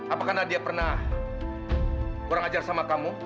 apakah nadia pernah orang ajar sama kamu